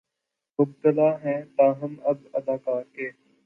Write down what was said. مبتلا ہیں تاہم اب اداکار کے